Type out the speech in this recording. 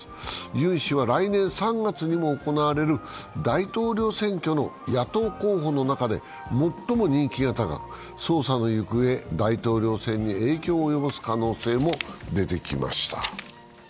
ユン氏は来年３月にも行われる大統領選挙の野党候補の中で最も人気が高く捜査の行方、大統領選に影響を及ぼす可能性も出てきました。